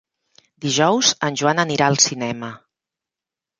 Dijous en Joan anirà al cinema.